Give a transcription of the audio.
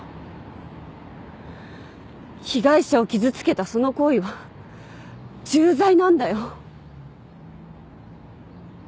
被害者を傷つけたその行為は重罪なんだよ。